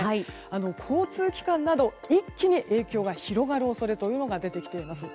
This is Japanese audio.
交通機関など一気に影響が広がる恐れが出てきています。